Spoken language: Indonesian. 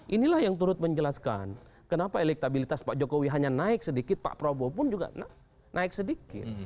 inilah yang turut menjelaskan kenapa elektabilitas pak jokowi hanya naik sedikit pak prabowo pun juga naik sedikit